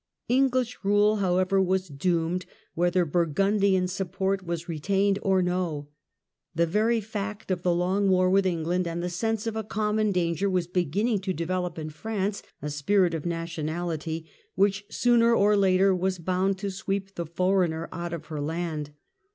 EngHsh rule, however, was doomed, whether Bur gundian support was retained or no. The very fact of the long war with England and the sense of a common danger were beginning to develop in France a spirit of nationality, which sooner or later was bound to sweep the foreigner out of her land.